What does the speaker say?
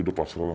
udah pasrah lah